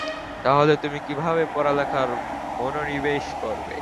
তাহলে তুমি কিভাবে পড়ালেখায় মনোনিবেশ করবে?